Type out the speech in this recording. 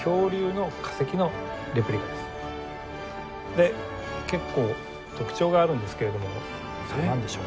で結構特徴があるんですけれども何でしょう？